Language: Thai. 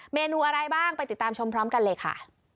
เมนูอะไรบ้างไปติดตามชมพร้อมกันเลยค่ะ